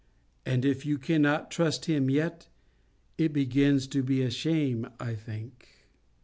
And if you cannot trust Him yet, it begins to be a shame, I think.